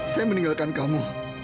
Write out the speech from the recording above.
saya meninggalkan kamu